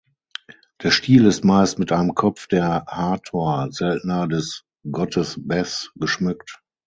Der Stiel ist meist mit einem Kopf der Hathor, seltener des Gottes Bes geschmückt.